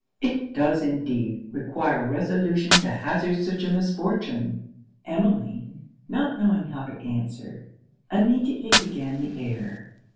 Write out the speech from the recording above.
It does indeed require resolution to hazard such a misfortune.' Emmeline, not knowing how to answer, immediately began the air.